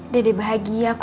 dede bahagia kok mak